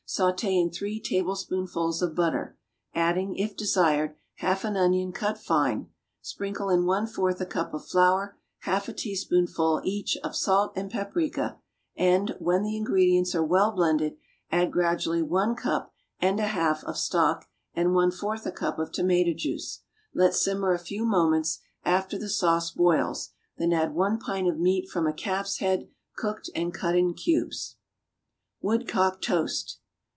Sauté in three tablespoonfuls of butter, adding, if desired, half an onion cut fine. Sprinkle in one fourth a cup of flour, half a teaspoonful, each, of salt and paprica, and, when the ingredients are well blended, add gradually one cup and a half of stock and one fourth a cup of tomato juice. Let simmer a few moments, after the sauce boils; then add one pint of meat from a calf's head, cooked and cut in cubes. =Woodcock Toast.